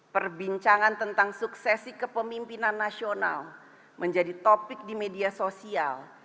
perbincangan tentang suksesi kepemimpinan nasional menjadi topik di media sosial